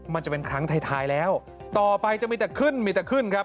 มันจะเป็นครั้งท้ายแล้วต่อไปจะมีแต่ขึ้นมีแต่ขึ้นครับ